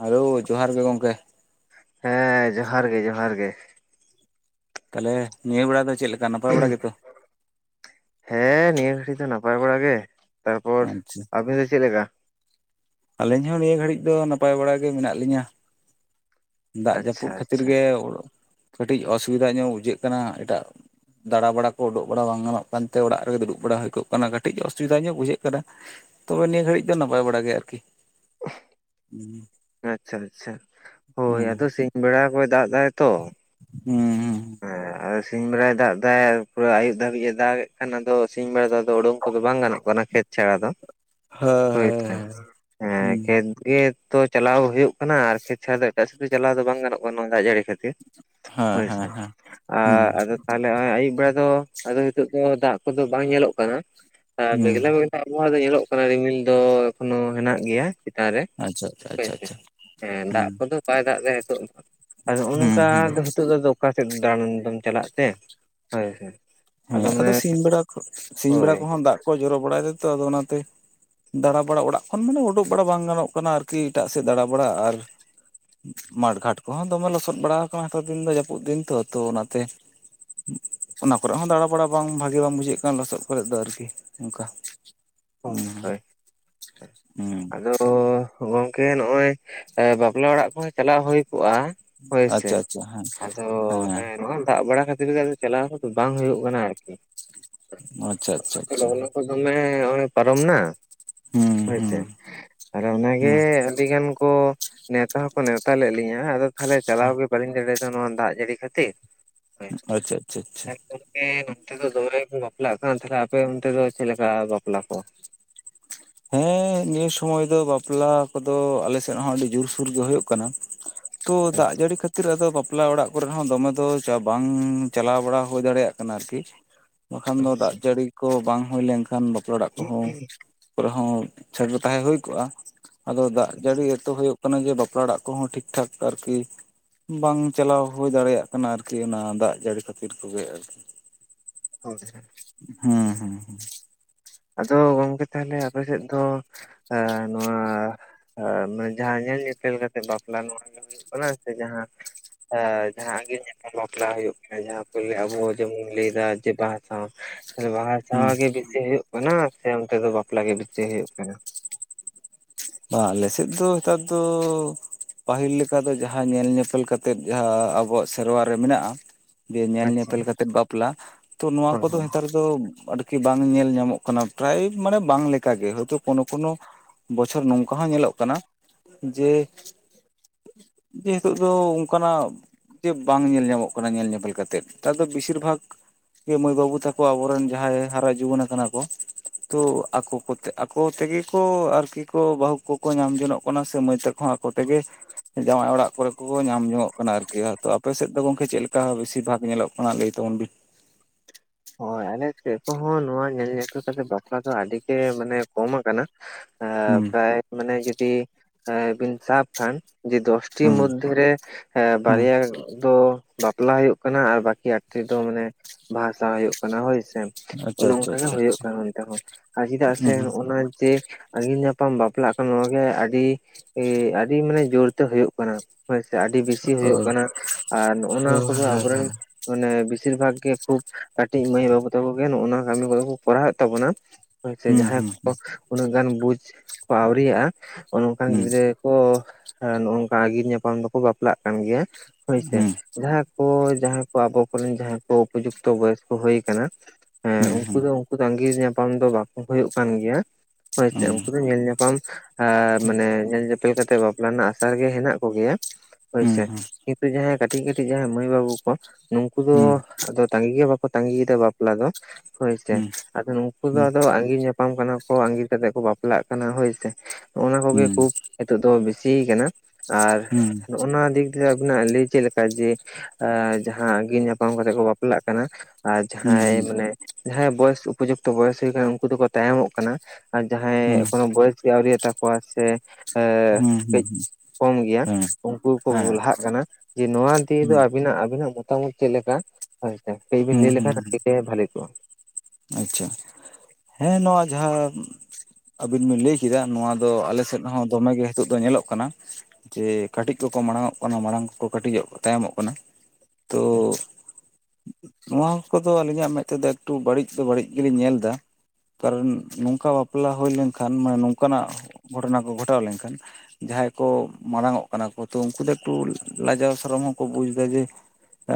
Hello ᱡᱚᱦᱟᱨ ᱜᱮ ᱜᱚᱝᱠᱮ? ᱦᱮᱸ ᱡᱚᱦᱟᱨ ᱜᱮ, ᱡᱚᱦᱟᱨ ᱜᱮ, ᱛᱟᱦᱚᱞᱮ ᱱᱤᱭᱟᱹ ᱵᱮᱲ ᱫᱚ ᱪᱮᱫ ᱞᱮᱠᱟ, ᱱᱟᱯᱟᱭ ᱵᱟᱲᱟ ᱜᱮᱛᱚ? ᱦᱮ ᱱᱤᱭᱟᱹ ᱜᱷᱟᱹᱲᱤᱡ ᱫᱚ ᱱᱟᱯᱟᱭ ᱵᱟᱲᱟ ᱜᱮ ᱾ ᱛᱟᱨᱯᱚᱨ ᱟᱪᱪᱷᱟ ᱟᱵᱤᱱ ᱫᱚ ᱪᱮᱫ ᱞᱮᱠᱟ? ᱟᱹᱞᱤᱧ ᱦᱚ ᱱᱤᱭᱟᱹ ᱜᱷᱟᱹᱲᱤᱡ ᱫᱚ ᱱᱟᱯᱟᱭ ᱵᱟᱲᱟ ᱜᱮ ᱢᱮᱱᱟᱜ ᱞᱤᱧᱟᱹ ᱾ ᱫᱟᱜ ᱟᱪᱪᱷᱟ ᱡᱟᱯᱩᱫ ᱠᱷᱟᱹᱛᱤᱨ ᱟᱪᱪᱷᱟ ᱜᱮ, ᱠᱟᱴᱤᱡ ᱚᱥᱩᱵᱤᱫᱟ ᱧᱚᱜ ᱵᱩᱡᱷᱟᱹᱜ ᱠᱟᱱᱟ, ᱮᱴᱟᱜ ᱫᱟᱬᱟ ᱵᱟᱲᱟ ᱠᱚ ᱩᱰᱩᱵ ᱵᱟᱲᱟ ᱵᱟᱝ ᱜᱟᱱᱚᱜ ᱠᱟᱱᱛᱮ ᱚᱲᱟᱜ ᱨᱮ ᱫᱩᱲᱩᱵ ᱵᱟᱲᱟ ᱦᱩᱭ ᱠᱚᱜ ᱠᱟᱱᱟ ᱠᱟᱹᱴᱤᱡ ᱚᱥᱩᱵᱤᱫᱟ ᱧᱚᱜ ᱵᱩᱡᱷᱟᱹᱜ ᱠᱟᱱᱟ ᱾ ᱛᱚᱵᱮ ᱱᱤᱭᱟᱹ ᱜᱷᱟᱹᱲᱤᱡ ᱫᱚ ᱱᱟᱯᱟᱭ ᱵᱟᱲᱟ ᱜᱮ ᱟᱨᱠᱤ ᱾ [inaudible] [inaudible] ᱟᱪᱪᱷᱟ ᱟᱪᱪᱷᱟ, ᱦᱳᱭ ᱦᱩᱸ ᱟᱫᱚ ᱥᱤᱧ ᱵᱮᱲᱟ ᱠᱚᱭ ᱫᱟᱜ ᱮᱟᱭ ᱛᱚ ᱾ ᱦᱮᱸ ᱦᱮ ᱥᱤᱧ ᱵᱮᱲᱟᱭ ᱫᱟᱜ ᱮᱫᱟ ᱯᱩᱨ ᱟᱭᱩᱵ ᱫᱷᱟᱹᱵᱤᱡ ᱮ ᱫᱟᱜ ᱠᱷᱟᱱ ᱟᱫᱚ ᱥᱤᱧ ᱵᱮᱲᱟ ᱫᱚ ᱟᱫᱚ ᱩᱰᱩᱝ ᱠᱚᱫᱚ ᱵᱟᱝ ᱜᱟᱱᱚᱜ ᱠᱟᱱᱟ, ᱠᱷᱮᱛ ᱪᱷᱟᱲᱟ ᱫᱚ ᱾ ᱦᱳᱭ ᱛᱚ ᱠᱷᱮᱛ ᱜᱮ ᱛᱚ ᱪᱟᱞᱟᱣ ᱦᱩᱭᱩᱜ ᱠᱟᱱᱟ, ᱟᱨ ᱠᱷᱮᱛ ᱪᱷᱟᱲᱟ ᱫᱚ ᱮᱴᱟᱜ ᱥᱮᱫ ᱫᱚ ᱪᱟᱞᱟᱣ ᱫᱚ ᱵᱟᱝ ᱜᱟᱱᱚᱜ ᱠᱟᱱᱟ, ᱱᱚᱣᱟ ᱫᱟᱜ ᱡᱟᱹᱲᱤ ᱠᱷᱟᱹᱛᱤᱨ ᱾ ᱦᱮᱸ ᱦᱮᱸ ᱦᱮᱸ ᱦᱮᱸ ᱟᱻ ᱦᱩᱸ ᱟᱫᱚ ᱛᱟᱦᱚᱞᱮ ᱱᱚᱜᱚᱭ ᱟᱭᱩᱵ ᱵᱮᱲᱟ ᱫᱚ, ᱟᱫᱚ ᱱᱤᱛᱚᱜ ᱫᱚ ᱫᱟᱜ ᱠᱚᱫᱚ ᱵᱟᱝ ᱧᱮᱞᱚᱜ ᱠᱟᱱᱟ ᱾ ᱟᱨ ᱦᱩᱸ ᱢᱮᱜᱞᱟ ᱢᱮᱜᱞᱟ ᱟᱵᱚ ᱦᱚᱣᱟ ᱫᱚ ᱧᱮᱞᱚᱜ ᱠᱟᱱᱟ, ᱨᱤᱢᱤᱞ ᱫᱚ ᱮᱠᱷᱚᱱᱳ ᱦᱮᱱᱟᱜ ᱜᱮᱭᱟ ᱾ ᱪᱮᱛᱟᱱ ᱨᱮ ᱟᱪᱪᱷᱟ ᱟᱪᱪᱷᱟ ᱟᱪᱪᱷᱟ ᱦᱳᱭᱥᱮ ᱟᱪᱪᱷᱟ ᱦᱮᱸ ᱦᱩᱸ ᱫᱟᱜ ᱠᱚᱫᱚ ᱵᱟᱭ ᱫᱟᱜ ᱮᱫᱟ ᱱᱤᱛᱳᱜ ᱫᱚ᱾ ᱟᱫᱚ ᱦᱩᱸ ᱚᱱᱠᱟ ᱦᱩᱸ ᱫᱚ ᱦᱤᱛᱚᱜ ᱫᱚ ᱚᱠᱟ ᱥᱮᱫ ᱫᱟᱬᱟᱱ ᱫᱚᱢ ᱪᱟᱞᱟᱜ ᱛᱮ ᱦᱳᱭᱥᱮ? ᱦᱮ ᱟᱫᱚ ᱥᱤᱧ ᱵᱮᱲᱟ ᱥᱤᱧ ᱵᱮᱲᱟ ᱠᱚᱦᱚᱸ ᱫᱟᱜ ᱠᱚᱭ ᱡᱚᱨᱚ ᱵᱟᱲᱟᱭᱫᱟ ᱛᱚ ᱚᱱᱟᱛᱮ, ᱫᱟᱬᱟ ᱵᱟᱲᱟ ᱚᱲᱟᱜ ᱠᱷᱚᱱ ᱢᱟᱱᱮ ᱩᱰᱩᱠ ᱵᱟᱲᱟ ᱵᱟᱝ ᱜᱟᱱᱚᱜ ᱠᱟᱱᱟ ᱟᱨᱠᱤ ᱮᱴᱟᱜ ᱥᱮᱫ ᱫᱟᱬᱟ ᱵᱟᱲᱟ ᱟᱨ, ᱢᱟᱴ ᱜᱷᱟᱴ ᱠᱚᱦᱚ ᱫᱚᱢᱮ ᱞᱚᱥᱚᱫ ᱵᱟᱲᱟ ᱠᱟᱱᱟ ᱱᱮᱛᱟᱨ ᱫᱤᱱ ᱫᱚ ᱡᱟᱹᱯᱩᱫ ᱫᱤᱱ ᱛᱚ, ᱛᱚ ᱚᱱᱟᱛᱮ ᱚᱱᱟ ᱠᱚᱨᱮ ᱦᱚᱸ ᱫᱟᱬᱟ ᱵᱟᱲᱟ ᱵᱟᱝ ᱵᱷᱟᱜᱤ ᱵᱟᱝ ᱵᱩᱡᱷᱟᱹᱜ ᱠᱟᱱ ᱞᱚᱥᱚᱫ ᱠᱚᱨᱮ ᱫᱚ ᱟᱨᱠᱤ ᱚᱱᱠᱟ ᱾ ᱦᱳᱭ ᱦᱩᱸ ᱦᱳᱭ ᱦᱩᱸ᱾ ᱟᱫᱚ ᱜᱚᱝᱠᱮ ᱱᱚᱜ ᱚᱭ ᱵᱟᱯᱞᱟ ᱚᱲᱟᱜ ᱠᱚᱦᱚ ᱪᱟᱞᱟᱜ ᱦᱩᱭ ᱠᱚᱜᱼᱟ ᱦᱳᱭ ᱥᱮ ᱟᱪᱪᱷᱟ ᱟᱪᱪᱷᱟ ᱦᱮᱸ ᱟᱫᱚ ᱦᱮᱸ ᱱᱚᱜᱚᱭ ᱫᱟᱜ ᱵᱟᱲᱟ ᱠᱷᱟᱹᱛᱤᱨ ᱜᱮ, ᱪᱟᱞᱟᱣ ᱠᱚᱫᱚ ᱵᱟᱝ ᱦᱩᱭᱩᱜ ᱠᱟᱱᱟ ᱟᱨᱠᱤ᱾ ᱟᱪᱪᱷᱟ ᱟᱪᱪᱷᱟ ᱟᱪᱪᱷᱟ [unintelligible] ᱫᱚᱢᱮ ᱚᱭ ᱯᱟᱨᱚᱢ ᱱᱟ ᱦᱩᱸ ᱦᱳᱭ ᱦᱩᱸ ᱥᱮ᱾ ᱛᱟᱦᱚᱞᱮ ᱚᱱᱟᱜᱮ ᱦᱩᱸ ᱟᱹᱰᱤ ᱜᱟᱱ ᱠᱚ ᱱᱮᱣᱛᱟ ᱦᱚᱸᱠᱚ ᱱᱮᱣᱛᱟ ᱞᱮᱫ ᱞᱤᱧᱟᱹ ᱾ ᱟᱫᱚ ᱛᱟᱦᱚᱞᱮ ᱪᱟᱞᱟᱣ ᱜᱮ ᱵᱟᱹᱞᱤᱧ ᱫᱟᱲᱮᱭᱫᱟ ᱱᱚᱣᱟ ᱫᱟᱜ ᱡᱟᱹᱲᱤ ᱠᱷᱟᱹᱛᱤᱨ᱾ ᱟᱪᱪᱷᱟ ᱟᱪᱷᱟ ᱟᱪᱪᱷᱟ᱾ ᱜᱚᱝᱠᱮ ᱱᱚᱱᱛᱮ ᱫᱚ ᱫᱚᱢᱮ ᱜᱮ ᱠᱚ ᱵᱟᱯᱞᱟᱜ ᱠᱟᱱ, ᱛᱟᱦᱚᱞᱮ ᱟᱯᱮ ᱚᱱᱛᱮ ᱫᱚ ᱪᱮᱫ ᱞᱮᱠᱟ ᱵᱟᱯᱞᱟ ᱠᱚ? ᱦᱮᱸ ᱱᱤᱭᱟᱹ ᱥᱚᱢᱚᱭ ᱫᱚ ᱵᱟᱯᱞᱟ ᱠᱚᱫᱚ ᱟᱞᱮ ᱥᱮᱜ ᱦᱚᱸ ᱟᱹᱰᱤ ᱡᱳᱨᱥᱳᱨ ᱜᱮ ᱦᱩᱭᱩᱜ ᱠᱟᱱᱟ᱾ ᱛᱚ ᱫᱟᱜ ᱡᱟᱹᱲᱤ ᱠᱷᱟᱹᱛᱤᱨ ᱟᱫᱚ ᱵᱟᱯ ᱵᱟᱯᱞᱟ ᱚᱲᱟᱜ ᱠᱚᱨᱮ ᱦᱚ ᱫᱚᱢᱮ ᱫᱚ ᱪᱟ ᱵᱟᱝ ᱪᱟᱞᱟᱣ ᱵᱟᱲᱟ ᱦᱳᱭ ᱫᱟᱲᱮᱭᱟᱜ ᱠᱟᱱᱟ ᱟᱨᱠᱤ᱾ ᱵᱟᱠᱷᱟᱱ ᱫᱚ ᱫᱟᱜ ᱟᱪᱪᱷᱟ ᱡᱟᱹᱲᱤ ᱠᱚ ᱵᱟᱝ ᱦᱩᱭ ᱞᱮᱱᱠᱷᱟᱱ ᱵᱟᱯᱞᱟ ᱚᱲᱟᱜ ᱠᱚᱦᱚᱸ ᱠᱚᱨᱮ ᱦᱚᱸ ᱪᱷᱟᱰᱟ ᱛᱟᱦᱮᱸ ᱦᱩᱭ ᱠᱚᱜᱼᱟ᱾ ᱟᱫᱚ ᱫᱟᱜ ᱡᱟᱹᱲᱤ ᱟᱪᱪᱷᱟ ᱜᱮᱛᱚ ᱦᱩᱭᱩᱜ ᱠᱟᱱᱟ ᱡᱮ ᱵᱟᱯᱞᱟ ᱚᱲᱟᱜ ᱠᱚᱦᱚᱸ ᱴᱷᱤᱠ ᱴᱷᱟᱠ ᱟᱨᱠᱤ, ᱵᱟᱝ ᱪᱟᱞᱟᱣ ᱦᱩᱭ ᱫᱟᱲᱮᱭᱟᱜ ᱠᱟᱱᱟ ᱟᱨᱠᱤ ᱚᱱᱟ ᱫᱟᱜ ᱡᱟᱹᱲᱤ ᱠᱷᱟᱹᱛᱤᱨ ᱠᱚᱜᱮ ᱟᱨᱠᱤ [unintelligible] ᱦᱮᱸ ᱦᱮᱸ ᱦᱮᱸ᱾ ᱟᱫᱚ ᱜᱚᱝᱠᱮ ᱛᱟᱦᱚᱞᱮ ᱟᱯᱮᱥᱮᱫ ᱫᱚ ᱮ ᱱᱚᱣᱟ ᱢᱟᱱᱮ ᱡᱟᱦᱟᱸ ᱧᱮᱞ ᱧᱮᱯᱮᱞ ᱠᱟᱛᱮᱫ ᱵᱟᱯᱞᱟ ᱱᱚᱣᱟ ᱫᱚ ᱦᱩᱭᱩᱜ ᱠᱟᱱᱟ ᱥᱮ ᱡᱟᱦᱟᱸ ᱦᱮ ᱡᱟᱦᱟᱸ ᱟᱸᱜᱤᱨ ᱧᱟᱯᱟᱢ ᱵᱟᱯᱞᱟ ᱦᱩᱭᱩᱜ ᱠᱟᱱᱟ ᱡᱟᱦᱟᱸ ᱠᱚ ᱞᱟᱹᱭ ᱟᱵᱚ ᱡᱮᱢᱚᱱ ᱞᱟᱹᱭᱫᱟ ᱡᱮ ᱵᱟᱦᱟᱥᱟᱶ᱾ ᱵᱟᱦᱟ ᱦᱩᱸ ᱥᱟᱦᱟ ᱜᱮ ᱵᱮᱥᱤ ᱦᱩᱭᱩᱜ ᱠᱟᱱᱟ ᱥᱮ ᱚᱱᱛᱮ ᱫᱚ ᱵᱟᱯᱞᱟ ᱜᱮ ᱵᱮᱥᱤ ᱦᱩᱭᱩᱜ ᱠᱟᱱᱟ? ᱵᱟ ᱟᱞᱮᱥᱮᱫ ᱫᱚ ᱦᱮᱛᱟᱨ ᱫᱚ ᱯᱟᱹᱦᱤᱞ ᱞᱮᱠᱟ ᱫᱚ ᱡᱟᱦᱟᱸ ᱧᱮᱞ ᱧᱮᱯᱮᱞ ᱠᱟᱛᱮᱜ ᱡᱟᱦᱟᱸ ᱟᱵᱚᱣᱟᱜ ᱥᱮᱨᱣᱟᱨᱮ ᱢᱮᱱᱟᱜᱼᱟ᱾ ᱡᱮ ᱧᱮᱞ ᱟᱪᱪᱷᱟ ᱧᱮᱯᱮᱞ ᱠᱟᱛᱮᱜ ᱵᱟᱯᱞᱟ ᱛᱚ ᱱᱚᱣᱟ ᱦᱳᱭ ᱠᱚᱫᱚ ᱦᱳᱭ ᱦᱮᱛᱟᱨ ᱫᱚ ᱟᱨᱠᱤ ᱵᱟᱝ ᱧᱮᱞ ᱧᱟᱢᱚᱜ ᱠᱟᱱᱟ᱾ ᱯᱨᱟᱭ ᱢᱟᱱᱮ ᱵᱟᱝ ᱞᱮᱠᱟᱜᱮ ᱦᱚᱭᱛᱳ ᱠᱚᱱᱚ ᱠᱚᱱᱚ ᱵᱚᱪᱷᱚᱨ ᱱᱚᱝᱠᱟ ᱦᱚᱸ ᱧᱮᱞᱚᱜ ᱠᱟᱱᱟ ᱡᱮ, ᱡᱮ ᱦᱤᱛᱚᱜ ᱫᱚ ᱚᱱᱠᱟᱱᱟᱜ ᱡᱮ ᱵᱟᱝ ᱧᱮᱞ ᱧᱟᱢᱚᱜ ᱠᱟᱱᱟ ᱧᱮᱞ ᱧᱮᱯᱮᱞ ᱠᱟᱛᱮᱫ᱾ ᱦᱮᱛᱟᱨᱫᱚ ᱵᱮᱥᱤᱨ ᱵᱷᱟᱜ ᱜᱮ ᱢᱟᱹᱭ ᱵᱟᱹᱵᱩ ᱛᱟᱠᱚ ᱟᱵᱚᱨᱮᱱ ᱡᱟᱦᱟᱸᱭ ᱦᱟᱨᱟ ᱡᱩᱣᱟᱹᱱ ᱟᱠᱟᱱᱟ ᱠᱚ, ᱛᱚ ᱟᱠᱚ ᱠᱚᱛᱮ ᱟᱠᱚ ᱛᱮᱜᱮ ᱠᱚ ᱟᱨᱠᱤ ᱠᱚ ᱵᱟᱹᱦᱩ ᱠᱚᱠᱚ ᱧᱟᱢ ᱡᱚᱱᱚᱜ ᱠᱟᱱᱟ ᱥᱮ ᱢᱟᱹᱭ ᱛᱟᱠᱚ ᱦᱚᱸ ᱟᱠᱚ ᱛᱮᱜᱮ᱾ ᱡᱟᱶᱟᱭ ᱚᱲᱟᱜ ᱠᱚᱨᱮ ᱠᱚ ᱧᱟᱢ ᱧᱚᱝᱚᱜ ᱠᱟᱱᱟ ᱟᱨᱠᱤ᱾ ᱟᱨ ᱟᱯᱮ ᱥᱮᱫ ᱫᱚ ᱜᱚᱝᱠᱮ ᱪᱮᱫᱞᱮᱠᱟ ᱵᱮᱥᱤᱨ ᱵᱷᱟᱜ ᱧᱮᱞᱚᱜ ᱠᱟᱱᱟ? ᱚᱱᱟ ᱞᱟᱹᱭ ᱛᱟᱵᱚᱱ ᱵᱤᱱ᱾ ᱦᱳᱭ ᱟᱞᱮ ᱥᱮᱫ ᱠᱚᱦᱚᱸ ᱱᱚᱣᱟ ᱧᱮᱞ ᱧᱮᱯᱮᱞ ᱠᱟᱛᱮᱜ ᱵᱟᱯᱞᱟ ᱫᱚ ᱟᱹᱰᱤᱜᱮ ᱢᱟᱱᱮ ᱠᱚᱢ ᱟᱠᱟᱱᱟ᱾ ᱮᱸ ᱦᱩᱸ᱾ ᱯᱨᱟᱭ ᱢᱟᱱᱮ ᱡᱩᱫᱤ ᱵᱤᱱ ᱥᱟᱵ ᱠᱷᱟᱱ ᱡᱮ ᱫᱚᱥ ᱴᱤ ᱦᱩᱸ ᱢᱚᱫᱫᱷᱮ ᱨᱮ ᱦᱩᱸ ᱵᱟᱨᱭᱟ, ᱫᱚ ᱵᱟᱯᱞᱟ ᱦᱩᱭᱩᱜ ᱠᱟᱱᱟ᱾ ᱟᱨ ᱵᱟᱠᱤ ᱟᱴᱴᱤ ᱫᱚ ᱢᱟᱱᱮ ᱵᱟᱷᱟ ᱥᱟᱦᱟ ᱦᱩᱭᱩᱜ ᱠᱟᱱᱟ ᱦᱳᱭᱥᱮ᱾ ᱟᱪᱪᱷᱟ ᱚᱱᱮ ᱟᱪᱪᱷᱟ ᱚᱱᱠᱟᱜᱮ ᱟᱪᱪᱷᱟ ᱦᱩᱭᱩᱜ ᱟᱪᱪᱷᱟ ᱠᱟᱱᱟ ᱚᱱᱛᱮ ᱦᱚᱸ᱾ ᱟᱨ ᱪᱮᱫᱟᱜ ᱥᱮ ᱱᱚᱜᱼᱚ ᱱᱟ ᱡᱮ, ᱟᱹᱜᱤᱞ ᱧᱟᱯᱟᱢ ᱵᱟᱯᱞᱟᱜ ᱠᱚ ᱱᱚᱣᱟ ᱜᱮ ᱟᱹᱰᱤ, ᱟᱹᱰᱤ ᱢᱟᱱᱮ ᱡᱳᱨᱛᱮ ᱦᱳᱭᱳᱜ ᱠᱟᱱᱟ᱾ ᱦᱳᱭ ᱥᱮ ᱟᱹᱰᱤ ᱵᱮᱥᱤ ᱦᱳᱭᱚᱜ ᱠᱟᱱᱟ ᱟᱨ ᱱᱚᱜᱼᱚ ᱱᱚᱣᱟ ᱠᱚᱫᱚ ᱟᱵᱚᱨᱮᱱ ᱢᱟᱱᱮ ᱵᱮᱥᱤᱨ ᱵᱷᱟᱜᱽ ᱜᱮ ᱠᱷᱩᱵ ᱠᱟᱹᱴᱤᱡ ᱢᱟᱹᱭ ᱵᱟᱹᱵᱩ ᱛᱟᱠᱚ ᱜᱮ ᱱᱚᱜᱼᱚ ᱱᱟ ᱠᱟᱹᱢᱤ ᱠᱚᱫᱚ ᱠᱚ ᱠᱚᱨᱟᱣᱮᱫ ᱛᱟᱵᱚᱱᱟ᱾ ᱥᱮ ᱦᱩᱸ ᱡᱟᱦᱟᱸᱭ ᱦᱩᱸ ᱠᱚ ᱩᱱᱟᱹᱜ ᱜᱟᱱ ᱵᱩᱡᱽ ᱠᱚ ᱟᱹᱣᱨᱤᱭᱟᱜᱼᱟ ᱚᱱᱠᱟᱱ ᱦᱩᱸ ᱜᱤᱫᱽᱨᱟᱹ ᱠᱚ ᱱᱚᱝᱠᱟ ᱧᱟᱯᱟᱢ ᱫᱚᱠᱚ ᱵᱟᱯᱞᱟᱜ ᱠᱟᱱ ᱜᱮᱭᱟ ᱦᱳᱭᱥᱮ᱾ ᱡᱟᱦᱟᱸ ᱠᱚ ᱡᱟᱦᱟᱸᱭ ᱠᱚ ᱟᱵᱚ ᱠᱚᱨᱮᱱ ᱡᱟᱦᱟᱸᱭ ᱠᱚ ᱩᱯᱚᱡᱩᱠᱛᱚ ᱵᱚᱭᱮᱥ ᱠᱚ ᱦᱩᱭ ᱟᱠᱟᱱᱟ ᱦᱮᱸ ᱦᱩᱸ ᱦᱩᱸ ᱩᱱᱠᱩ ᱦᱩᱸ ᱦᱩᱸ ᱦᱩᱸ ᱦᱩᱸ ᱦᱩᱸ ᱦᱩᱸ ᱦᱩᱸ ᱦᱩᱸ ᱦᱩᱸ ᱦᱩᱸ ᱦᱩᱸ ᱦᱩᱸ ᱦᱩᱸ ᱫᱚ ᱩᱱᱠᱩ ᱟᱸᱜᱤᱨ ᱧᱟᱯᱟᱢ ᱫᱚ ᱵᱟᱠᱚ ᱦᱩᱭᱩᱜ ᱠᱟᱱ ᱜᱮᱭᱟ᱾ ᱦᱳᱭ ᱦᱩᱸ ᱦᱩᱸ ᱥᱮ ᱩᱱᱠᱩ ᱦᱩᱸ ᱫᱚ ᱧᱮᱞ ᱧᱟᱯᱟᱢ ᱟᱨ ᱢᱟᱱᱮ ᱧᱮᱞ ᱧᱮᱯ ᱧᱮᱞ ᱠᱟᱛᱮᱜ ᱵᱟᱯᱞᱟ ᱨᱮᱱᱟᱜ ᱟᱥᱟ ᱨᱮ ᱜᱮ ᱦᱮᱱᱟᱜ ᱠᱚᱜᱮᱭᱟ ᱦᱳᱭᱥᱮ ᱠᱤᱱᱛᱩ ᱡᱟᱦᱟᱸᱭ ᱠᱟᱴ ᱠᱟᱹᱴᱤᱡ ᱠᱟᱹᱴᱤᱡ ᱡᱟᱦᱟᱸᱭ ᱢᱟᱹᱭ ᱵᱟᱹᱵᱩ ᱠᱚ ᱱᱩᱠᱩ ᱫᱚ ᱛᱟᱸᱜᱤ ᱜᱮ ᱵᱟᱠᱚ ᱛᱟᱸᱜᱤᱭᱮᱫᱟ ᱵᱟᱯᱞᱟ ᱫᱚ ᱦᱳᱭ ᱥᱮ ᱟᱫᱚ ᱦᱮᱸ ᱱᱩᱠᱩ ᱦᱮᱸ ᱫᱚ ᱟᱜᱤᱨ ᱧᱟᱯᱟᱢ ᱠᱟᱱᱟ ᱠᱚ ᱟᱜᱤᱨ ᱠᱟᱛᱮ ᱠᱚ ᱵᱟᱯᱞᱟᱜ ᱠᱟᱱᱟ ᱦᱳᱭ ᱥᱮ ᱱᱚᱜᱼᱚᱭ ᱱᱟ ᱠᱚᱜᱮ ᱠᱷᱩᱵ ᱱᱤᱛᱚᱜ ᱫᱚ ᱵᱮᱥᱤᱭᱟ ᱠᱟᱱᱟ᱾ ᱟᱨ ᱚᱱᱟ ᱤᱫᱤ ᱠᱟᱛᱮ ᱟᱵᱤᱱᱟᱜ ᱞᱟᱹᱭ ᱪᱮᱫ ᱞᱮᱠᱟ ᱡᱮ ᱡᱟᱦᱟᱸ ᱟᱸᱜᱤᱨ ᱧᱟᱯᱟᱢ ᱠᱟᱛᱮᱜ ᱠᱚ ᱵᱟᱯᱞᱟᱜ ᱠᱟᱱᱟ᱾ ᱟᱨ ᱡᱟᱦᱟᱸᱟᱭ ᱢᱟᱱᱮ ᱡᱟᱦᱟᱸᱭ ᱵᱚᱭᱮᱥ ᱩᱯᱚᱡᱩᱠᱛᱚ ᱵᱚᱭᱮᱥ ᱦᱩᱭ ᱟᱠᱟᱱᱟ ᱩᱱᱠᱩ ᱫᱚᱠᱚ ᱛᱟᱭᱚᱢᱚᱜ ᱠᱟᱱᱟ᱾ ᱟᱨ ᱡᱟᱦᱟᱸᱭ ᱠᱳᱱᱚ ᱵᱚᱭᱮᱥ ᱜᱮ ᱟᱹᱣᱨᱤ ᱛᱟᱠᱚᱣᱟ ᱥᱮ ᱦᱩᱸ ᱠᱟᱹᱡ ᱦᱩᱸ ᱦᱩᱸ ᱠᱚᱢ ᱜᱮᱭᱟ ᱩᱱᱠᱩ ᱠᱚ ᱞᱟᱦᱟᱜ ᱠᱟᱱᱟ ᱡᱮ ᱱᱚᱶᱟ ᱤᱫᱤ ᱫᱚ ᱟᱵᱤᱱᱟᱜ ᱟᱵᱤᱱᱟᱜ ᱢᱚᱛᱟ ᱢᱚᱛ ᱪᱮᱫ ᱞᱮᱠᱟ ᱦᱳᱭ ᱪᱮ ᱠᱟᱹᱡ ᱵᱤᱱ ᱞᱟᱹᱭ ᱞᱮᱠᱷᱟᱱ ᱵᱷᱟᱜᱮ ᱠᱚᱜᱼᱟ? ᱟᱪᱷᱟ ᱦᱮᱸ ᱱᱚᱶᱟ ᱡᱟᱦᱟᱸ ᱟᱹᱵᱤᱱ ᱵᱤᱱ ᱞᱟᱹᱭ ᱠᱮᱫᱟ ᱱᱚᱶᱟ ᱫᱚ ᱟᱞᱮ ᱥᱮᱫ ᱦᱚᱸ ᱫᱚᱢᱮ ᱜᱮ ᱱᱤᱛᱚᱜ ᱫᱚ ᱧᱮᱞᱚᱜ ᱠᱟᱱᱟ᱾ ᱡᱮ ᱠᱟᱹᱴᱤᱡ ᱠᱚᱠᱚ ᱢᱟᱲᱟᱝ ᱚᱜ ᱠᱟᱱᱟ ᱢᱟᱲᱟᱝ ᱠᱚᱠᱚ ᱠᱟᱹᱴᱤᱡᱚᱜ ᱛᱟᱭᱚᱢᱚᱜ ᱠᱟᱱᱟ᱾ ᱛᱚ ᱱᱚᱶᱟ ᱠᱚᱫᱚ ᱟᱹᱞᱤᱧᱟᱜ ᱢᱮᱫ ᱛᱮᱫᱚ ᱮᱠ ᱛᱩ ᱵᱟᱹᱲᱤᱡ ᱫᱚ ᱵᱟᱹᱲᱤᱡ ᱜᱮ ᱞᱤᱧ ᱧᱮᱞ ᱮᱫᱟ᱾ ᱠᱟᱨᱚᱱ ᱱᱚᱝᱠᱟ ᱵᱟᱯᱞᱟ ᱦᱩᱭ ᱞᱮᱱᱠᱷᱟᱱ ᱢᱟᱱᱮ ᱱᱚᱝᱠᱟᱱᱟᱜ ᱜᱷᱚᱴᱚᱱᱟ ᱠᱚ ᱜᱷᱚᱴᱟᱣ ᱞᱮᱱᱠᱷᱟᱱ ᱡᱟᱦᱟᱸᱭ ᱠᱚ ᱢᱟᱨᱟᱲᱟᱝ ᱚᱜ ᱠᱟᱱᱟ ᱠᱚ ᱛᱚ ᱩᱱᱠᱩ ᱫᱚ ᱮᱠᱴᱩ ᱞᱟᱡᱟᱣ ᱥᱚᱨᱚᱢ ᱦᱚᱸᱠᱚ ᱵᱩᱡᱽ ᱮᱫᱟ ᱡᱮ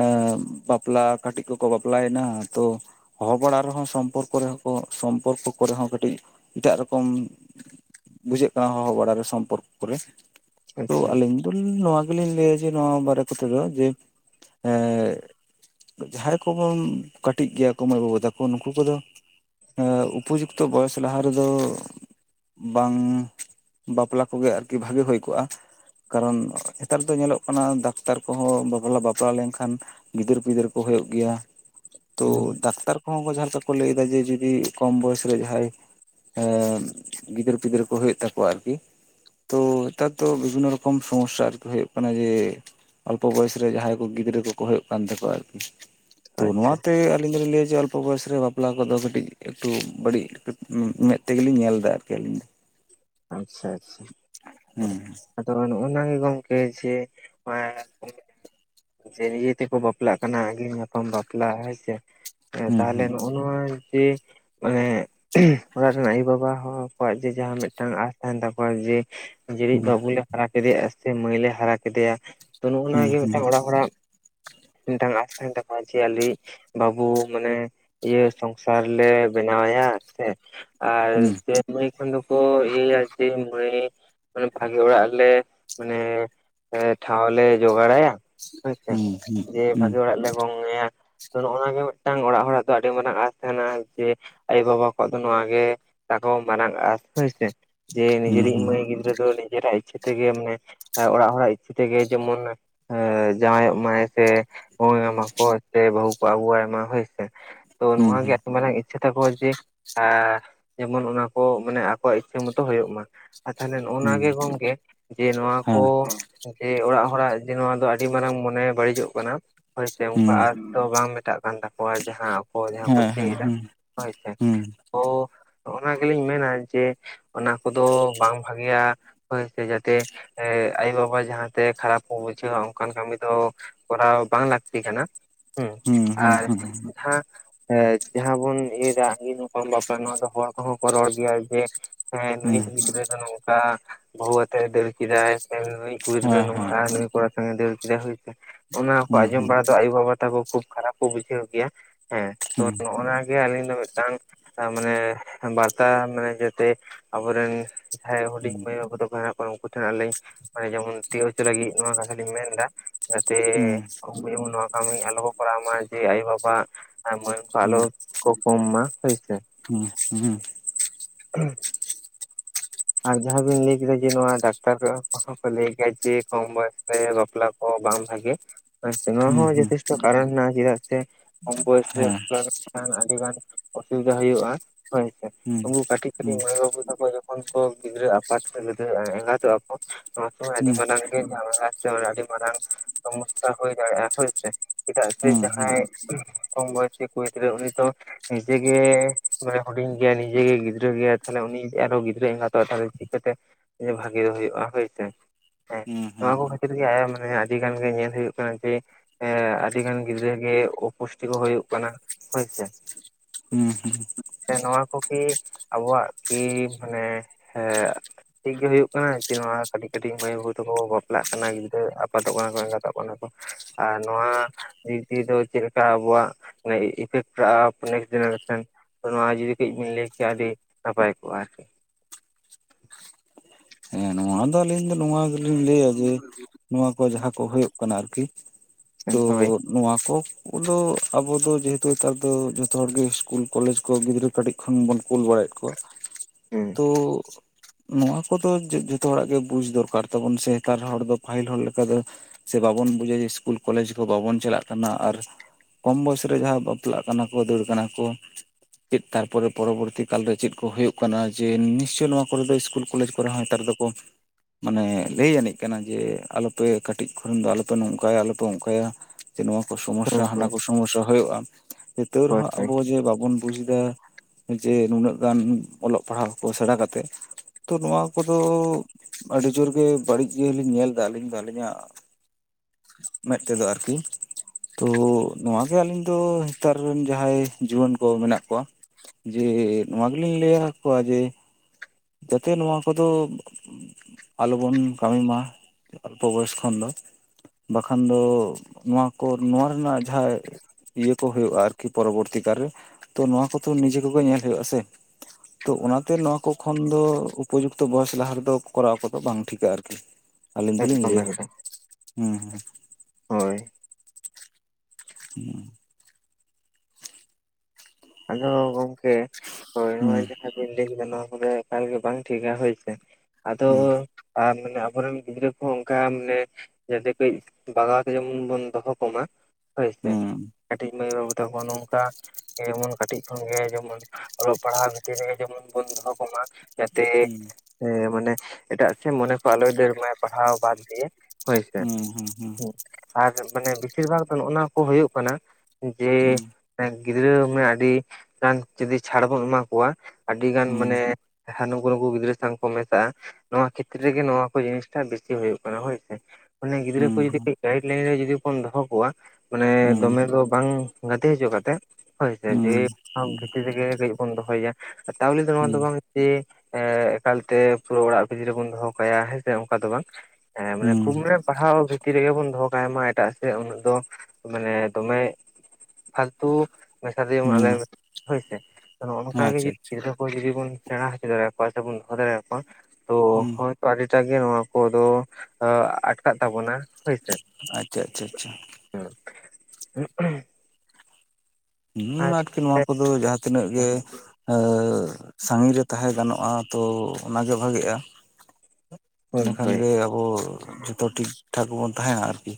ᱮ ᱵᱟᱯᱞᱟ ᱠᱟᱹᱴᱤᱡ ᱠᱚᱠᱚ ᱵᱟᱯᱞᱟᱭ ᱮᱱᱟ ᱛᱚ ᱚᱲᱟᱜ ᱨᱮᱦᱚᱸ ᱥᱚᱢᱯᱚᱨᱠᱚ ᱨᱮᱦᱚᱸ ᱥᱚᱢᱯᱚᱨᱠᱚ ᱠᱚᱨᱮ ᱦᱚᱸ ᱠᱟᱹᱴᱤᱡ ᱮᱴᱟᱜ ᱨᱚᱠᱚᱢ ᱵᱩᱡᱷᱟᱹᱜ ᱠᱟᱱᱟ ᱦᱚᱦᱚ ᱵᱟᱲᱟᱨ ᱨᱮ ᱥᱚᱢᱯᱚᱨᱠᱚ ᱠᱚᱨᱮ ᱟᱪᱪᱷᱟ ᱛᱚ ᱟᱪᱪᱷᱟ ᱟᱹᱞᱤᱧ ᱱᱚᱶᱟ ᱜᱮᱞᱤᱧ ᱞᱟᱹᱭᱟ ᱡᱮ ᱱᱚᱶᱟ ᱵᱟᱨᱮ ᱠᱚᱛᱮ ᱫᱚ ᱡᱮ ᱮ ᱡᱟᱦᱟᱸᱭ ᱠᱚᱵᱚᱱ ᱠᱟᱹᱴᱤᱡ ᱜᱮᱭᱟ ᱠᱚ ᱢᱟᱹᱭ ᱵᱟᱹᱵᱩ ᱛᱟᱠᱚ ᱱᱩᱠᱩ ᱠᱚᱫᱚ ᱩᱯᱚᱡᱩᱠᱛᱚ ᱵᱚᱭᱮᱥ ᱞᱟᱦᱟ ᱨᱮᱫᱚ ᱵᱟᱝ ᱵᱟᱯᱞᱟ ᱠᱚᱜᱮ ᱟᱨᱠᱤ ᱵᱷᱟᱹᱜᱤ ᱦᱩᱭ ᱠᱚᱜᱼᱟ ᱠᱟᱨᱚᱱ ᱱᱮᱛᱟᱨ ᱫᱚ ᱧᱮᱞᱚᱜ ᱠᱟᱱᱟ ᱰᱟᱠᱛᱟᱨ ᱠᱚᱦᱚᱸ ᱵᱟᱯᱞᱟ ᱵᱟᱯᱞᱟ ᱞᱮᱱᱠᱷᱟᱱ ᱜᱤᱫᱟᱹᱨ ᱯᱤᱫᱟᱹᱨ ᱠᱚ ᱦᱩᱭᱩᱜ ᱜᱮᱭᱟ ᱛᱚ ᱦᱩᱸ ᱰᱟᱠᱛᱟᱨ ᱡᱟᱦᱟᱸ ᱞᱮᱠᱟ ᱠᱚ ᱞᱟᱹᱭ ᱫᱟ ᱡᱮ ᱡᱚᱫᱤ ᱠᱚᱢ ᱵᱚᱭᱮᱥ ᱨᱮ ᱡᱟᱦᱟᱸᱭ ᱜᱤᱫᱽᱟᱹᱨᱟᱹ ᱯᱤᱫᱽᱟᱹᱨᱟᱹ ᱠᱚ ᱦᱩᱭᱩᱜ ᱛᱟᱠᱚᱣᱟ ᱟᱨᱠᱤ ᱛᱚ ᱱᱮᱛᱟᱨ ᱫᱚ ᱵᱤᱵᱷᱤᱱᱱᱚ ᱨᱚᱠᱚᱢ ᱥᱚᱢᱚᱥᱟ ᱦᱩᱭᱩᱜ ᱠᱟᱱᱟ ᱡᱮ ᱚᱞᱯᱚ ᱵᱚᱭᱮᱥ ᱨᱮ ᱡᱟᱦᱟᱸᱭ ᱠᱚ ᱜᱤᱫᱽᱨᱟᱹ ᱠᱚᱠᱚ ᱦᱩᱭᱩᱜ ᱠᱟᱱ ᱛᱟᱠᱚᱣᱟ ᱟᱨᱠᱤ ᱛᱚ ᱟᱪᱪᱷᱟ ᱱᱚᱶᱟᱛᱮ ᱟᱹᱞᱤᱧ ᱫᱚᱞᱤᱧ ᱞᱟᱹᱭᱟ ᱡᱮ ᱚᱞ ᱚᱞᱯᱚ ᱵᱚᱭᱮᱥ ᱨᱮ ᱵᱟᱯᱞᱟ ᱠᱚᱫᱚ ᱠᱟᱹᱴᱤᱡ ᱮᱠᱴᱩ ᱵᱟᱹᱲᱤᱡ ᱢᱮᱫ ᱛᱮᱜᱮᱞᱤᱧ ᱧᱮᱞ ᱮᱫᱟ ᱟᱨᱠᱤ ᱟᱹᱞᱤᱧ ᱫᱚ [inaudible] ᱟᱪᱪᱷᱟ ᱟᱪᱷᱟ ᱦᱳᱭ ᱟᱫᱚ ᱱᱚᱜᱱᱟ ᱜᱮ ᱜᱚᱝᱠᱮ ᱡᱮ ᱡᱮ ᱤᱭᱟᱹ ᱛᱮᱠᱚ ᱵᱟᱯᱞᱟᱜ ᱠᱟᱱᱟ ᱟᱜᱤᱞ ᱧᱟᱯᱟᱢ ᱵᱟᱯᱞᱟ ᱦᱮᱸ ᱥᱮ ᱦᱩᱸ ᱛᱟᱦᱞᱮ ᱱᱚᱜᱼᱚ ᱱᱚᱶᱟ ᱡᱮ ᱢᱟᱱᱮ ᱚᱲᱟᱜ ᱨᱮᱱ ᱟᱭᱳᱵᱟᱵᱟ ᱦᱚᱲ ᱠᱚᱣᱟᱜ ᱡᱮ ᱡᱟᱦᱟᱸ ᱢᱤᱫ ᱢᱤᱫ ᱴᱟᱝ ᱟᱥ ᱛᱟᱦᱮᱱ ᱛᱟᱠᱚᱣᱟ ᱡᱮ ᱡᱮᱨᱤᱡ ᱵᱟᱹᱵᱩᱞ ᱞᱮ ᱦᱟᱨᱟ ᱠᱮᱫᱮᱭᱟ ᱥᱮ ᱢᱟᱹᱭᱞᱮ ᱦᱟᱨᱟ ᱠᱮᱫᱮᱭᱟ ᱛᱚ ᱱᱚᱜ ᱚᱭ ᱦᱩᱸ ᱱᱚᱶᱟ ᱜᱮ ᱢᱤᱫ ᱦᱩᱸ ᱦᱩᱸ ᱴᱟᱝ ᱚᱲᱟᱜ ᱦᱚᱲᱟᱜ ᱢᱤᱫ ᱴᱟᱝ ᱟᱥ ᱛᱟᱦᱮᱱ ᱛᱟᱠᱚᱣᱟ ᱡᱮ ᱟᱞᱮ ᱵᱟᱹᱵᱩ ᱢᱟᱱᱮ ᱤᱭᱟᱹ ᱥᱚᱝᱥᱟᱨ ᱞᱮ ᱵᱮᱱᱟᱣᱭᱟ ᱥᱮ ᱟᱨ ᱢᱟᱹᱭ ᱠᱷᱚᱱ ᱫᱟ ᱠᱚ ᱤᱭᱟᱹᱟ ᱡᱮ ᱢᱟᱹᱭ ᱢᱟᱱᱮ ᱵᱷᱟᱜᱮ ᱚᱲᱟᱜ ᱨᱮᱞᱮ ᱢᱟᱱᱮ ᱮ ᱴᱷᱟᱶ ᱞᱮ ᱡᱚᱜᱟᱲᱟᱭᱟ᱾ ᱦᱳᱭ ᱥᱮ ᱦᱩᱸ ᱦᱩᱸ ᱡᱮ ᱦᱩᱸ ᱦᱩᱸ ᱵᱷᱟᱜᱮ ᱚᱲᱟᱜ ᱞᱮ ᱜᱚᱝ ᱢᱮᱭᱟ᱾ ᱛᱚ ᱱᱚᱜ ᱚᱭ ᱱᱚᱶᱟ ᱜᱮ ᱢᱤᱫ ᱴᱟᱝ ᱚᱲᱟᱜ ᱦᱚᱲᱟᱜ ᱫᱚ ᱟᱹᱰᱤ ᱢᱟᱨᱟᱝ ᱟᱸᱥ ᱛᱟᱦᱮᱱᱟ ᱡᱮ ᱟᱭᱳ-ᱵᱟᱵᱟ ᱠᱚ ᱫᱚ ᱱᱚᱶᱟ ᱜᱮ ᱛᱟᱠᱚ ᱢᱟᱨᱟᱝᱼᱟ ᱦᱳᱭ ᱥᱮ ᱡᱮ ᱦᱩᱸ ᱱᱤᱡᱮᱨᱤᱡ ᱦᱩᱸ ᱢᱟᱹᱭ ᱜᱤᱫᱽᱨᱟᱹ ᱫᱚ ᱱᱤᱡᱮᱨᱟᱜ ᱤᱪᱪᱷᱟᱹ ᱛᱮᱜᱮ ᱢᱟᱱᱮ ᱚᱲᱟᱜ ᱦᱚᱲᱟᱜ ᱤᱪᱪᱷᱟᱹ ᱛᱮᱜᱮ ᱡᱮᱢᱚᱱ ᱮ ᱡᱟᱶᱟᱭᱚᱸᱜ ᱢᱟᱭ ᱥᱮ ᱦᱳᱭ ᱟᱢ ᱠᱚ ᱥᱮ ᱵᱟᱹᱦᱩ ᱠᱚ ᱟᱜᱩ ᱟᱭᱢᱟ ᱥᱮ ᱛᱚ ᱦᱩᱸ ᱱᱚᱶᱟ ᱜᱮ ᱢᱟᱨᱟᱝ ᱤᱪᱪᱷᱟᱹ ᱛᱟᱠᱚᱣᱟ ᱡᱮ ᱡᱮᱢᱚᱱ ᱚᱱᱟ ᱠᱚ ᱢᱟᱱᱮ ᱟᱠᱚᱣᱟᱜ ᱥᱮ ᱢᱚᱛᱚ ᱦᱩᱭᱩᱜ ᱢᱟ, ᱛᱟᱦᱚᱞᱮ ᱱᱚᱜᱼᱱᱟ ᱦᱩᱸ ᱦᱩᱸ ᱦᱩᱸ ᱜᱮ ᱜᱚᱢᱠᱮ ᱡᱮ ᱱᱚᱣᱟ ᱠᱚ ᱦᱮᱸ ᱡᱮ ᱚᱲᱟᱜ ᱦᱚᱲᱟᱜ ᱡᱮ ᱱᱚᱣᱟ ᱫᱚ ᱟᱹᱰᱤ ᱢᱟᱨᱟᱝ ᱢᱚᱱᱮ ᱵᱟᱹᱲᱤᱡᱚᱜ ᱠᱟᱱᱟ ᱾ ᱦᱳᱭ ᱥᱮ ᱩᱱᱠᱩᱣᱟᱜ ᱦᱩᱸ ᱟᱥ ᱫᱚ ᱵᱟᱝ ᱢᱮᱴᱟᱜ ᱠᱟᱱ ᱛᱟᱠᱚᱣᱟ, ᱡᱟᱦᱟᱸ ᱟᱠᱚ ᱡᱟᱦᱟᱸ ᱠᱚ ᱦᱮᱸ ᱪᱟᱹᱭ ᱦᱮᱸ ᱫᱟ ᱦᱩᱸ ᱾ ᱦᱳᱭ ᱥᱮ ᱦᱩᱸ ᱛᱚ ᱚᱱᱟ ᱜᱮᱞᱤᱧ ᱢᱮᱱᱟ, ᱡᱮ ᱚᱱᱟ ᱠᱚᱫᱚ ᱵᱟᱝ ᱵᱷᱟᱜᱮᱭᱟ ᱾ ᱦᱳᱭ ᱥᱮ ᱡᱟᱛᱮ ᱮᱸ ᱟᱭᱳ ᱵᱟᱵᱟ ᱡᱟᱦᱟᱸᱛᱮ ᱠᱷᱟᱨᱟᱯ ᱠᱚ ᱵᱩᱡᱷᱟᱹᱣᱟ ᱚᱝᱠᱟᱱ ᱠᱟᱹᱢᱤ ᱫᱚ ᱠᱚᱨᱟᱣ ᱵᱟᱝ ᱞᱟᱹᱠᱛᱤ ᱠᱟᱱᱟ, ᱦᱩᱸ ᱟᱨ ᱡᱟᱦᱟᱸ ᱮ ᱡᱟᱦᱟᱸ ᱵᱚᱱ ᱤᱭᱟᱹᱭ ᱫᱟᱜ ᱟᱺᱜᱤᱨ ᱧᱟᱯᱟᱢ ᱵᱟᱯᱞᱟ ᱱᱚᱣᱟ ᱫᱚ, ᱦᱚᱲ ᱠᱚᱦᱚᱸ ᱠᱚ ᱨᱚᱲ ᱜᱮᱭᱟ ᱡᱮ ᱦᱮᱸ ᱱᱩᱭᱤᱡ ᱠᱩᱲᱤ ᱜᱤᱫᱽᱨᱟᱹ ᱫᱚ ᱱᱚᱝᱠᱟ ᱵᱟᱹᱦᱩ ᱟᱛᱮᱜ ᱮ ᱫᱟᱹᱲ ᱠᱮᱫᱟᱭ ᱱᱩᱭ ᱠᱩᱲᱤ ᱜᱤᱫᱽᱨᱟᱹ ᱱᱚᱝᱠᱟ ᱱᱩᱭ ᱠᱚᱲᱟ ᱥᱚᱝᱜᱮ ᱫᱟᱹᱲ ᱠᱮᱫᱟ, ᱦᱳᱭ ᱥᱮ ᱚᱱᱟ ᱠᱚ ᱟᱸᱡᱚᱢ ᱵᱟᱲᱟ ᱛᱚ ᱟᱭᱳᱵᱟᱵᱟ ᱛᱟᱠᱚ ᱠᱷᱩᱵ ᱠᱷᱟᱨᱟᱯ ᱠᱚ ᱵᱩᱡᱷᱟᱹᱣ ᱜᱮᱭᱟ᱾ ᱦᱩᱸ ᱞᱟᱹᱭᱟ ᱟᱹᱞᱤᱧ ᱫᱚ ᱢᱤᱫᱴᱟᱝ ᱢᱟᱱᱮ ᱵᱟᱨᱛᱟ ᱢᱟᱱᱮ ᱡᱟᱛᱮ ᱟᱵᱚᱨᱮᱱ ᱡᱟᱦᱟᱸᱭ ᱦᱩᱰᱤᱧ ᱢᱟᱹᱭ ᱵᱟᱵᱩ ᱛᱟᱠᱚ ᱦᱮᱱᱟᱜ ᱦᱳᱭ ᱩᱝᱠᱩ ᱴᱷᱮᱱ ᱟᱹᱞᱤᱧ ᱦᱚᱸᱜᱼᱚᱭ ᱡᱮᱢᱚᱱ ᱛᱤᱭᱳᱜ ᱦᱚᱪᱚ ᱞᱟᱹᱜᱤᱜ ᱱᱚᱣᱟ ᱠᱟᱛᱷᱟ ᱞᱤᱧ ᱢᱮᱱ ᱫᱟ᱾ ᱡᱟᱛᱮ ᱩᱱᱠᱩ ᱡᱮᱢᱚᱱ ᱱᱚᱣᱟ ᱠᱟᱹᱢᱤ ᱟᱞᱚ ᱠᱚ ᱠᱚᱨᱟᱣ ᱢᱟ ᱡᱮ ᱟᱭᱳᱵᱟᱵᱟ ᱟᱨ ᱢᱟᱹᱱ ᱠᱚ ᱟᱞᱚ ᱠᱚ ᱠᱚᱢ ᱢᱟ ᱦᱳᱭ ᱥᱮ, [unintelligible] [unintelligible] ᱟᱨ ᱡᱟᱦᱟᱸ ᱵᱤᱱ ᱞᱟᱹᱭ ᱠᱮᱫᱟ ᱡᱮ, ᱱᱚᱣᱟ ᱰᱟᱠᱛᱟᱨ ᱠᱚᱦᱚᱸ ᱠᱚ ᱞᱟᱹᱭ ᱠᱮᱭᱟ ᱡᱮ ᱠᱚᱢ ᱵᱚᱭᱮᱥ ᱨᱮ ᱵᱟᱯᱞᱟ ᱠᱚ ᱵᱟᱝ ᱵᱷᱟᱜᱮ᱾ ᱦᱳᱭ ᱥᱮ ᱱᱚᱣᱟ ᱦᱚᱸ ᱡᱚᱛᱷᱮᱥᱴ ᱠᱟᱨᱚᱱ ᱦᱮᱱᱟᱜᱼᱟ, ᱪᱮᱫᱟᱜ ᱥᱮ ᱠᱚᱢ ᱵᱚᱭᱚᱥ ᱨᱮ ᱠᱷᱟᱱ ᱟᱹᱰᱤ ᱜᱟᱱ ᱚᱥᱩᱵᱤᱫᱟ ᱦᱩᱭᱩᱜᱼᱟ᱾ ᱦᱳᱭᱥᱮ ᱩᱝᱠᱩ ᱠᱟᱹᱴᱤᱜ ᱠᱟᱹᱴᱤᱜ ᱢᱟᱹᱭ ᱵᱟᱹᱵᱩ ᱛᱟᱠᱚ ᱡᱚ ᱠᱚ ᱜᱤᱫᱽᱨᱟᱹ ᱟᱯᱟᱛ ᱥᱮ ᱜᱤᱫᱽᱨᱟᱹ ᱮᱸᱜᱟᱛᱚᱜᱼᱟ ᱠᱚ, ᱱᱚᱣᱟ ᱥᱚᱝᱜᱮ ᱥᱚᱝᱜᱮ ᱟᱹᱰᱤ ᱢᱟᱨᱟᱝ ᱡᱷᱟᱢᱮᱞᱟ ᱥᱮ ᱟᱹᱰᱤ ᱢᱟᱨᱟᱝ ᱥᱚᱢᱚᱥᱥᱟ ᱦᱩᱭ ᱫᱟᱲᱮᱜᱼᱟ᱾ ᱦᱳᱭ ᱥᱮ ᱪᱤᱫᱟᱜ ᱥᱮ ᱡᱟᱦᱟᱸᱭ ᱠᱚᱢ ᱵᱚᱭᱮᱥᱤ ᱠᱩᱲᱤᱫᱽᱨᱟᱹ ᱩᱱᱤ ᱫᱚ ᱱᱤᱡᱮᱜ ᱜᱮ ᱩᱱᱟᱹᱜ ᱮ ᱦᱩᱰᱤᱧ ᱜᱮᱭᱟᱭ ᱱᱤᱡᱮ ᱜᱮ ᱜᱤᱫᱽᱨᱟᱹ ᱜᱮᱭᱟ ᱛᱟᱦᱚᱞᱮ ᱩᱱᱤ ᱟᱨᱚ ᱜᱤ ᱜᱤᱫᱽᱨᱟᱹ ᱮᱸᱜᱟᱛᱚᱜᱼᱟᱭ ᱛᱟᱦᱚᱞᱮ ᱪᱤᱠᱟᱹᱛᱮ ᱵᱷᱟᱹᱜᱮ ᱫᱚ ᱦᱩᱭᱩᱜᱼᱟ, ᱦᱳᱭᱥᱮ ᱦᱮᱸ ᱱᱚᱣᱟ ᱠᱚ ᱠᱷᱟᱹᱛᱤᱨ ᱜᱮ ᱟᱭᱚ ᱢᱟᱱᱮ ᱟᱹᱰᱤ ᱜᱟᱱ ᱜᱮ ᱧᱮᱞ ᱦᱩᱭᱩᱜ ᱠᱟᱱᱟ ᱡᱮ ᱮ ᱟᱹᱰᱤᱜᱟᱱ ᱜᱤᱫᱽᱨᱟᱹ ᱜᱮ ᱚᱯᱩᱥᱴᱤ ᱠᱚ ᱦᱩᱭᱩᱜ ᱠᱟᱱᱟ ᱦᱳᱭᱥᱮ᱾ ᱦᱩᱸ ᱦᱩᱸ ᱦᱩᱸ ᱱᱚᱣᱟ ᱠᱚ ᱠᱤ ᱟᱵᱚᱣᱟᱜ ᱠᱤ ᱢᱟᱱᱮ ᱦᱮ ᱴᱷᱤᱠ ᱜᱮ ᱦᱩᱭᱩᱜ ᱠᱟᱱᱟ ᱡᱮ, ᱱᱚᱣᱟ ᱠᱟᱹᱴᱤᱡ ᱠᱟᱹᱴᱤᱡ ᱢᱟᱹᱭ, ᱵᱟᱹᱵᱩ ᱛᱟᱠᱚ ᱠᱚ ᱵᱟᱯᱞᱟᱜ ᱠᱟᱱᱟ ᱜᱤᱫᱽᱨᱟᱹ ᱟᱯᱟᱛᱚᱜ ᱠᱟᱱᱟ ᱠᱚ ᱮᱸᱜᱟᱛᱚᱜ ᱠᱟᱱᱟ ᱠᱚ? ᱟᱨ ᱱᱚᱣᱟ ᱱᱤᱨᱫᱤ ᱫᱚ ᱪᱮᱫ ᱞᱮᱠᱟ ᱟᱵᱚᱣᱟᱜ, ᱢᱟᱱᱮ ᱤᱯᱷᱮᱠᱴᱟ ᱟᱯᱱᱮᱠ ᱡᱮᱱᱟᱨᱮᱥᱮᱱ ᱛᱚ ᱱᱚᱣᱟ ᱡᱩᱫᱤ ᱠᱟᱹᱡ ᱵᱤᱱ ᱞᱟᱹᱭ ᱠᱮᱭᱟ ᱟᱹᱰᱤ ᱱᱟᱯᱟᱭ ᱠᱚᱜᱼᱟ ᱟᱨᱠᱤ᱾ ᱦᱮᱸ ᱱᱚᱣᱟ ᱫᱚ ᱟᱹᱞᱤᱧ ᱫᱚ ᱱᱚᱣᱟ ᱫᱚᱤᱧ ᱞᱟᱹᱭᱟ ᱡᱮ ᱱᱚᱣᱟ ᱠᱚ ᱡᱟᱦᱟᱸ ᱠᱚ ᱦᱩᱭᱩᱜ ᱠᱟᱱᱟ ᱟᱨᱠᱤ ᱦᱳᱭ ᱛᱚ ᱱᱚᱣᱟ ᱠᱚ᱾ ᱠᱚ ᱫᱚ ᱟᱵᱚ ᱫᱚ ᱡᱮᱦᱮᱛᱩ ᱱᱮᱛᱟᱨ ᱫᱚ, ᱡᱚᱛᱚ ᱦᱚᱲᱜᱮ ᱥᱤᱥᱠᱩᱞ ᱠᱚᱞᱮᱡᱽ ᱠᱚ ᱜᱤᱫᱽᱨᱟᱹ ᱠᱟᱹᱴᱤᱡ ᱠᱷᱚᱱ ᱵᱚᱱ ᱠᱩᱞ ᱵᱟᱲᱟᱭᱮᱫ ᱠᱚᱣᱟ ᱦᱩᱸ ᱛᱚ ᱱᱚᱣᱟ ᱠᱚᱫᱚ ᱡᱚ ᱡᱚ ᱡᱚᱛᱚᱣᱟᱜ ᱜᱮ ᱵᱩᱡ ᱫᱚᱨᱠᱟᱨ ᱛᱟᱵᱚᱱ ᱥᱮ, ᱱᱮᱛᱟᱨ ᱦᱚᱲ ᱫᱚ ᱯᱟᱹᱦᱤᱞ ᱦᱚᱲ ᱞᱮᱠᱟ ᱫᱚ ᱥᱮ ᱵᱟᱵᱚᱱ ᱵᱩᱡᱟ ᱥᱠᱩᱞ ᱠᱚᱞᱮᱡᱽ ᱠᱚ ᱵᱟᱵᱚᱱ ᱪᱟᱞᱟᱜ ᱠᱟᱱᱟ ᱟᱨ ᱠᱚᱢ ᱵᱚᱭᱚᱥ ᱨᱮ ᱡᱟᱦᱟᱸ ᱵᱟᱯᱞᱟᱜ ᱠᱟᱱᱟ ᱠᱚ ᱫᱟᱹᱲ ᱠᱟᱱᱟ ᱠᱚ ᱪᱮᱫ ᱛᱟᱨᱯᱚᱨᱮ ᱯᱚᱨᱚᱵᱚᱨᱛᱤ ᱠᱟᱞᱨᱮ ᱪᱮᱫ ᱠᱚ ᱦᱩᱭᱩᱜ ᱠᱟᱱᱟ, ᱡᱮ ᱱᱤᱥᱪᱚᱭ ᱱᱚᱣᱟ ᱠᱚᱨᱮ ᱫᱚ ᱤᱥᱠᱩᱞ ᱠᱚᱞᱮᱡᱽ ᱠᱚᱨᱮ ᱦᱚᱸ ᱱᱮᱛᱟᱨ ᱫᱚ ᱠᱚ ᱢᱟᱱᱮ ᱞᱟᱹᱭ ᱟᱹᱱᱤᱡ ᱠᱟᱱᱟ ᱡᱮ, ᱟᱞᱚᱯᱮ ᱠᱟᱹᱴᱤᱡ ᱠᱷᱚᱱ ᱫᱚ ᱟᱞᱚᱯᱮ ᱱᱚᱝᱠᱟᱭᱟ ᱟᱞᱚᱯᱮ ᱚᱝᱠᱟᱭᱟ᱾ ᱡᱮ ᱱᱚᱣᱟ ᱠᱚ ᱥᱚᱢᱚᱥᱥᱟ ᱦᱩᱸ ᱦᱟᱱᱟ ᱦᱩᱸ ᱠᱚ ᱥᱚᱢᱚᱥᱥᱟ ᱦᱳᱭᱳᱜᱼᱟ᱾ ᱛᱟᱹᱣ ᱦᱳᱭ ᱨᱮᱦᱚᱸ ᱦᱳᱭ ᱟᱵᱚ ᱡᱮ ᱵᱟᱵᱚᱱ ᱵᱩᱡᱫᱟ ᱡᱮ, ᱱᱩᱱᱟᱹᱜ ᱜᱟᱱ ᱚᱞᱚᱜ ᱯᱟᱲᱦᱟᱣ ᱠᱚ ᱥᱮᱬᱟ ᱠᱟᱛᱮᱜ᱾ ᱛᱚ ᱱᱚᱣᱟ ᱠᱚᱫᱚ ᱟᱹᱰᱤ ᱡᱳᱨ ᱜᱮ ᱵᱟᱹᱲᱤᱡ ᱜᱮᱞᱤᱧ ᱧᱮᱞ ᱨᱫᱟ ᱟᱹᱞᱤᱧ ᱫᱚ ᱟᱹᱞᱤᱧᱟᱜ ᱢᱮᱫ ᱛᱮᱫᱚ ᱟᱨᱠᱤ᱾ ᱛᱚ ᱱᱚᱣᱟ ᱜᱮ ᱟᱹᱞᱤᱧ ᱫᱚ ᱱᱮᱛᱟᱨ ᱨᱮᱱ ᱡᱟᱦᱟᱸᱭ ᱡᱩᱣᱟᱹᱱ ᱠᱚ ᱢᱮᱱᱟᱜ ᱠᱚᱣᱟ ᱡᱮ ᱱᱚᱣᱟ ᱜᱮᱞᱤᱧ ᱞᱟᱹᱭ ᱟᱠᱚᱣᱟ ᱡᱮ ᱡᱟᱛᱮ ᱱᱚᱣᱟ ᱠᱚᱫᱚ ᱟᱞᱚᱵᱚᱱ ᱠᱟᱹᱢᱤ ᱢᱟ ᱚᱞᱯᱚ ᱵᱚᱭᱚᱥ ᱠᱷᱚᱱ ᱫᱚ᱾ ᱵᱟᱠᱷᱟᱱ ᱫᱚ ᱱᱚᱣᱟ ᱠᱚ ᱱᱚᱣᱟ ᱨᱮᱱᱟᱜ ᱡᱟᱦᱟᱸ ᱤᱭᱟᱹ ᱠᱚ ᱦᱳᱭᱳᱜᱼᱟ ᱟᱨᱠᱤ ᱯᱚᱨᱚᱵᱚᱨᱛᱤ ᱠᱟᱞᱨᱮ ᱛᱚ ᱱᱚᱣᱟ ᱠᱚᱛᱚ ᱱᱤᱡᱮ ᱠᱚᱜᱮ ᱧᱮᱞ ᱦᱳᱭᱳᱜ-ᱟ ᱥᱮ ᱛᱚ ᱚᱱᱟᱛᱮ ᱱᱚᱣᱟ ᱠᱚ ᱛᱚᱠᱷᱚᱱ ᱫᱚ ᱩᱯᱚᱡᱩᱠᱛᱚ ᱵᱚᱭᱮᱥ ᱞᱟᱦᱟ ᱨᱮᱫᱚ ᱠᱚᱨᱟᱣ ᱠᱚᱫᱚ ᱵᱟᱝ ᱴᱷᱤᱠᱟ ᱟᱨᱠᱤ ᱟᱹᱞᱤᱧ ᱫᱚᱞᱤᱧ ᱮᱠᱫᱚᱢ ᱞᱟᱹᱭᱟ, ᱮᱠᱫᱚᱢ ᱦᱮᱸ ᱦᱮᱸ᱾ ᱦᱳᱭ [unintelligible] ᱟᱫᱚ ᱜᱚᱝᱠᱮ ᱦᱳᱭ ᱦᱩᱸ ᱱᱚᱸᱜᱚᱭ ᱡᱟᱦᱟᱸ ᱵᱤᱱ ᱞᱟᱹᱭ ᱠᱮᱫᱟ ᱱᱚᱣᱟ ᱠᱚᱫᱚ ᱮᱠᱟᱞ ᱜᱮ ᱵᱟᱝ ᱴᱷᱤᱠᱟ ᱦᱳᱭ ᱥᱮ ᱟᱫᱚ ᱦᱩᱸ ᱟᱨ ᱢᱟᱱᱮ ᱟᱵᱚ ᱨᱮᱱ ᱜᱤᱫᱽᱨᱟᱹ ᱠᱚᱦᱚᱸ ᱚᱱᱠᱟ ᱢᱟᱱᱮ ᱡᱟᱛᱮ ᱠᱟᱹᱡ ᱵᱟᱜᱟᱣ ᱛᱮ ᱡᱮᱢᱚᱱ ᱵᱚᱱ ᱫᱚᱦᱚ ᱠᱚᱢᱟ ᱦᱳᱭ ᱥᱮ ᱦᱩᱸ ᱠᱟᱹᱴᱤᱡ ᱢᱟᱹᱭ ᱵᱟᱹᱵᱩ ᱛᱟᱠᱚ ᱱᱚᱝᱠᱟ ᱡᱮᱢᱚᱱ ᱠᱟᱹᱴᱤᱡ ᱠᱷᱚᱱᱜᱮ ᱡᱮᱢᱚᱱ ᱚᱞᱚᱜ ᱯᱟᱲᱦᱟᱜ ᱵᱷᱤᱛᱤᱨ ᱨᱮᱜᱮ ᱡᱮᱢᱚᱱ ᱵᱚᱱ ᱫᱚᱦᱚ ᱠᱚᱢᱟ ᱡᱟᱛᱮ ᱦᱩᱸ ᱦᱮᱸ ᱢᱟᱱᱮ ᱮᱴᱟᱜ ᱥᱮᱫ ᱢᱚᱱᱮ ᱠᱚ ᱟᱞᱚᱭ ᱫᱟᱹᱲ ᱢᱟ ᱯᱟᱲᱦᱟᱣ ᱵᱟᱫ ᱫᱤᱭᱮ᱾ ᱦᱳᱭ ᱥᱮ ᱦᱩᱸ ᱦᱩᱸ ᱦᱩᱸ ᱟᱨ ᱢᱟᱱᱮ ᱵᱤᱥᱤᱨ ᱵᱷᱟᱜᱽ ᱫᱚ ᱱᱚᱜᱚ ᱱᱚᱣᱟ ᱠᱚ ᱦᱳᱭᱳᱜ ᱠᱟᱱᱟ ᱡᱮ ᱜᱤᱫᱽᱨᱟᱹ ᱢᱟᱱᱮ ᱟᱹᱰᱤ ᱜᱟᱱ ᱡᱚᱫᱤ ᱪᱷᱟᱲ ᱵᱚᱱ ᱮᱢᱟ ᱠᱚᱣᱟ ᱟᱹᱰᱤ ᱜᱟᱱ ᱦᱩᱸ ᱦᱩᱸ ᱢᱟᱱᱮ ᱦᱟᱹᱱᱠᱩ ᱱᱟᱠᱩ ᱜᱤᱫᱽᱨᱟᱹ ᱥᱟᱣ ᱠᱚ ᱢᱮᱥᱟᱜᱼᱟ ᱱᱚᱣᱟ ᱠᱷᱮᱛᱨᱮ ᱜᱮ ᱱᱚᱣᱟ ᱠᱚ ᱡᱤᱱᱤᱥᱴᱟᱜ ᱵᱮᱥᱤ ᱦᱳᱭᱳᱜ ᱠᱟᱱᱟ ᱦᱳᱭᱥᱮ ᱢᱟᱱᱮ ᱜᱤᱫᱽᱨᱟᱹ ᱠᱚ ᱡᱩᱫᱤ ᱦᱩᱸ ᱠᱟᱹᱡ ᱜᱟᱭᱤᱰ ᱞᱟᱭᱤᱱ ᱨᱮ ᱡᱩᱫᱤ ᱵᱚᱱ ᱫᱚᱦᱚ ᱠᱚᱣᱟ ᱢᱟᱱᱮ ᱫᱚᱢᱮ ᱫᱚ ᱵᱟᱝ ᱜᱟᱛᱮ ᱦᱚᱪᱚ ᱠᱟᱛᱮᱫ ᱡᱮ [unintelligible] ᱵᱷᱤᱛᱤᱨ ᱨᱮᱜᱮ ᱠᱟᱹᱡ ᱵᱚᱱ ᱫᱚᱦᱚᱭ ᱮᱭᱟ ᱛᱟᱵᱚᱞᱮ ᱫᱚ ᱱᱚᱣᱟ ᱦᱩᱸ ᱫᱚ ᱦᱩᱸ ᱵᱟᱝ ᱡᱮ ᱮᱠᱟᱞᱛᱮ ᱯᱩᱨᱟᱹ ᱚᱲᱟᱜ ᱵᱷᱤᱛᱤᱨ ᱨᱮᱵᱚᱱ ᱫᱚᱦᱚ ᱠᱟᱭᱟ ᱦᱮᱸᱥᱮ ᱚᱱᱠᱟ ᱫᱚ ᱵᱟᱝ ᱦᱮᱸ ᱢᱟᱱᱮ ᱦᱩᱸ ᱠᱷᱩᱢ ᱨᱮ ᱯᱟᱲᱦᱟᱣ ᱵᱷᱤᱛᱤᱨ ᱨᱮᱜᱮ ᱵᱚᱱ ᱫᱚᱦᱚ ᱠᱟᱭ ᱢᱟ ᱮᱴᱟᱜ ᱥᱮᱫ ᱩᱱᱟᱹᱜ ᱫᱚ ᱢᱟᱱᱮ ᱫᱚᱢᱮ ᱯᱷᱟᱞᱛᱩ ᱢᱮᱥᱟ ᱫᱚ ᱡᱮᱢᱚᱱ ᱦᱩᱸ ᱟᱞᱚᱭ ᱢᱮᱥᱟᱜ [unintelligible] ᱦᱳᱭ ᱥᱮ ᱱᱚᱜᱼᱚ ᱱᱚᱝᱠᱟ ᱜᱮ ᱟᱪᱪᱷᱟ ᱡᱩᱫᱤ ᱟᱪᱪᱷᱟ ᱜᱤᱫᱽᱨᱟᱹ [inaudible] ᱠᱚ ᱡᱩᱫᱤ ᱵᱚᱱ ᱥᱮᱬᱟ ᱦᱚᱪᱚ ᱫᱟᱲᱮ ᱟᱠᱚᱣᱟ ᱥᱮᱵᱚᱱ ᱫᱚᱦᱚ ᱫᱟᱲᱮ ᱟᱠᱚᱣᱟ ᱛᱚ ᱦᱩᱸ [unintelligible] ᱛᱚ ᱟᱹᱰᱤᱴᱟᱜ ᱜᱮ ᱱᱚᱣᱟ ᱠᱚᱫᱚ ᱟᱴᱠᱟᱜ ᱛᱟᱵᱚᱱᱟ᱾ ᱟᱪᱪᱷᱟ ᱟᱪᱪᱷᱟ ᱟᱪᱪᱷᱟ᱾ ᱦᱮᱸ᱾ [unintelligible] ᱟᱨᱠᱤ ᱱᱚᱣᱟ ᱠᱚᱫᱚ ᱡᱟᱦᱟᱸ ᱛᱤᱱᱟᱹᱜ ᱜᱮ ᱥᱟᱺᱜᱤᱧ ᱨᱮ ᱛᱟᱦᱮᱸ ᱜᱟᱱᱚᱜᱼᱟ ᱛᱚ ᱚᱱᱟᱜᱮ ᱵᱷᱟᱜᱮᱜᱼᱟ ᱦᱳᱭ ᱤᱱᱟᱹᱠᱷᱟᱱ ᱦᱳᱭ ᱜᱮ ᱟᱵᱚ [unintelligible] ᱡᱷᱚᱛᱚ ᱴᱷᱤᱠ ᱴᱷᱟᱠ ᱵᱚᱱ ᱛᱟᱦᱮᱱᱟ ᱟᱨᱠᱤ᱾